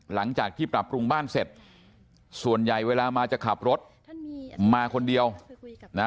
หลังจากที่ปรับปรุงบ้านเสร็จส่วนใหญ่เวลามาจะขับรถมาคนเดียวนะ